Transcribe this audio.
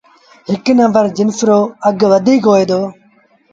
هڪ نمبر جنس رو اگھ وڌيٚڪ وهئي دو۔